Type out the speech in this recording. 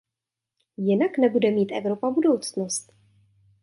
Jinak nebude mít Evropa budoucnost.